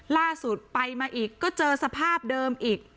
ล่าสุดไปมาอีกก็เจอสภาพเดิมอีก